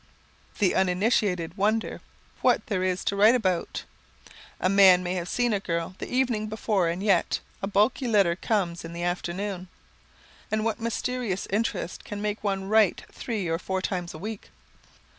The uninitiated wonder "what there is to write about." A man may have seen a girl the evening before, and yet a bulky letter comes in the afternoon. And what mysterious interest can make one write three or four times a week?